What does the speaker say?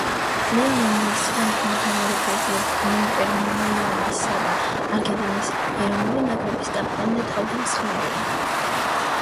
ლიონელ მესი ამჟამად ამერიკულ კლუბ „ინტერ მაიამისა“ და არგენტინის ეროვნული ნაკრების კაპიტანი და თავდამსხმელია.